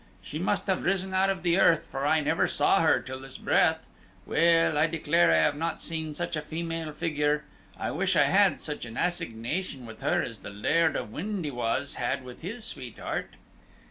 She must have risen out of the earth, for I never saw her till this breath. Well, I declare I have not seen such a female figure I wish I had such an assignation with her as the Laird of Windy wa's had with his sweetheart."